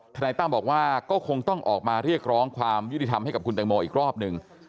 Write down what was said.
นายตั้มบอกว่าก็คงต้องออกมาเรียกร้องความยุติธรรมให้กับคุณแตงโมอีกรอบหนึ่ง